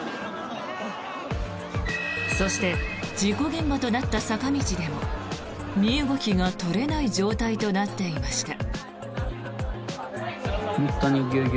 そして事故現場となった坂道でも身動きが取れない状態となっていました。